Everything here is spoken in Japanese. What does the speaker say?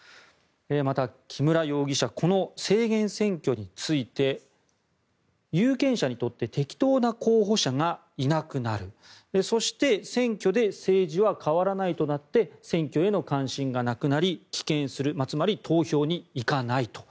また、木村容疑者はこの制限選挙について有権者にとって適当な候補者がいなくなるそして選挙で政治は変わらないとなって選挙への関心がなくなり棄権するつまり、投票に行かないと。